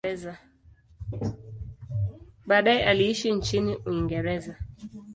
Baadaye aliishi nchini Uingereza.